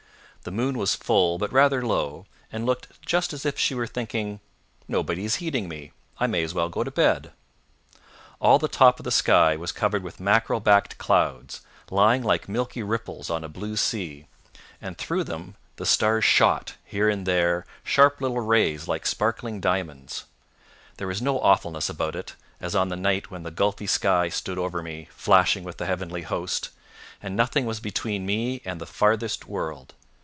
The moon was full, but rather low, and looked just as if she were thinking "Nobody is heeding me: I may as well go to bed." All the top of the sky was covered with mackerel backed clouds, lying like milky ripples on a blue sea, and through them the stars shot, here and there, sharp little rays like sparkling diamonds. There was no awfulness about it, as on the night when the gulfy sky stood over me, flashing with the heavenly host, and nothing was between me and the farthest world.